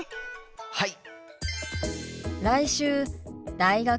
はい！